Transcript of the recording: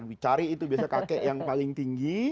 dicari itu biasanya kakek yang paling tinggi